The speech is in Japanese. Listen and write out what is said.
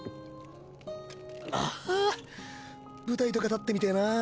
ああ舞台とか立ってみてぇなぁ。